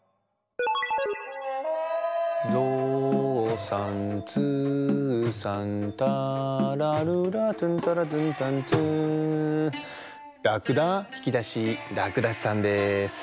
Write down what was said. ぞうさんずうさんターラルラトゥンタラトゥンタントゥーらくだひきだしらくだしさんです。